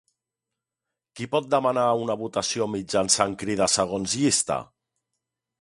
Qui pot demanar una votació mitjançant crida segons llista?